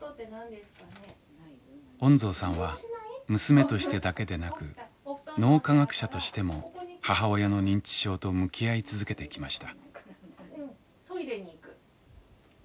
恩蔵さんは娘としてだけでなく脳科学者としても母親の認知症と向き合い続けてきました。